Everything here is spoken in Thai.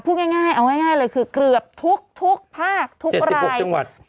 พูดง่ายเอาง่ายเลยคือเกือบทุกภาคทุกรายจังหวัด